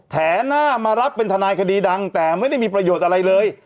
แถหน้ามารับเป็นทนายคดีดังแต่ไม่ได้มีประโยชน์อะไรเลย